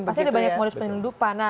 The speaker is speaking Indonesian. pasti ada banyak modus penyelundupan